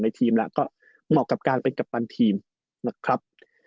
ทีมแล้วก็เหมาะกับการเป็นกัปตันทีมนะครับ